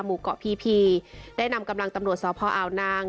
หมู่เกาะพีพีได้นำกำลังตำรวจสพอาวนาง